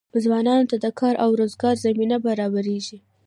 ځوانانو ته د کار او روزګار زمینه برابریږي.